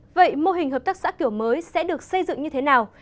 vậy mô hình hợp tác xã kiểu mới sẽ được xây dựng như thế nào